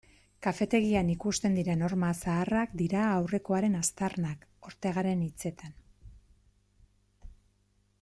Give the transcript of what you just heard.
Kafetegian ikusten diren horma zaharrak dira aurrekoaren aztarnak, Ortegaren hitzetan.